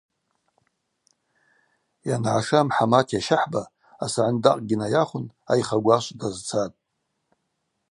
Йангӏаша Мхӏамат йащахӏба йсагӏындакъгьи найахвын айха гвашв дазцатӏ.